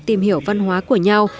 tìm hiểu văn hóa của nhau